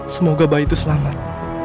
semoga bayi itu selamat